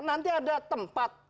nanti ada tempat